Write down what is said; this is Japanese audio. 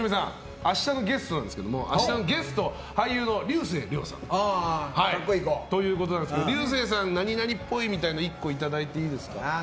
明日のゲストなんですけども俳優の竜星涼さんですけど竜星さん、何々っぽいみたいなの１個いただいていいですか。